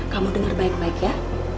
kamu dengar baik baik ya